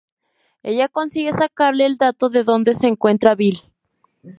Ella consigue sacarle el dato de dónde se encuentra Bill.